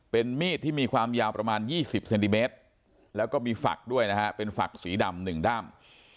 เป็นมีดที่มีความยาวประมาณ๒๐เซนติเมตรแล้วก็มีฝักด้วยนะฮะเป็นฝักสีดำ๑ด้าม